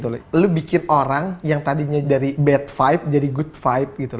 lu bikin orang yang tadinya dari bad vibe jadi good vibe gitu